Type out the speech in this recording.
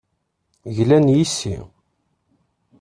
Glan yes-i.